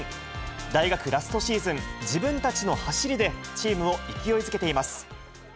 大学ラストシーズン、自分たちの走りで、チームを勢いづけています。